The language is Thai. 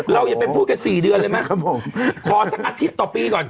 อย่าไปพูดกัน๔เดือนเลยไหมครับผมขอสักอาทิตย์ต่อปีก่อน